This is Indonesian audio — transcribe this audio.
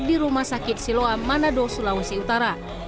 di rumah sakit siloam manado sulawesi utara